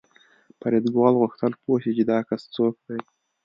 فریدګل غوښتل پوه شي چې دا کس څوک دی